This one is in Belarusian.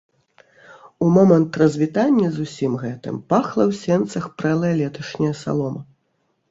У момант развітання з усім гэтым пахла ў сенцах прэлая леташняя салома.